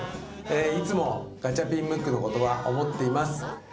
いつもガチャピンムックのことは思っています。